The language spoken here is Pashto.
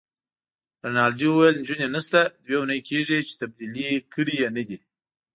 رینالډي وویل: نجونې نشته، دوې اونۍ کیږي چي تبدیلي کړي يې نه دي.